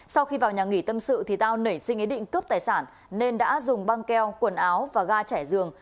sau khi vào nhà nghỉ tâm sự tao nảy sinh ý định cướp tài sản nên đã dùng băng keo quần áo và ga chảy giường